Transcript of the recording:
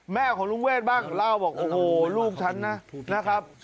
แม่ของลุงเวทบ้างเล่าบอกโอ้โหลูกฉันนะครับ